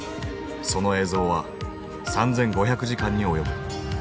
その映像は３，５００時間に及ぶ。